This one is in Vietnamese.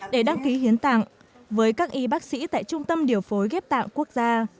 để đăng ký hiến tặng với các y bác sĩ tại trung tâm điều phối ghép tạng quốc gia